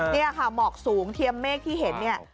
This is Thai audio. นี่ค่ะหมอกสูงเทียมเมฆที่เห็นเนี่ย